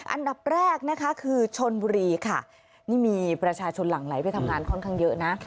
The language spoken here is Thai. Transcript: อันดับแรกนะคะคือชนบุรีค่ะนี่มีประชาชนหลั่งไหลไปทำงานค่อนข้างเยอะนะ